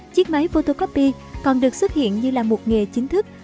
chiếc máy potocopy còn được xuất hiện như là một nghề chính thức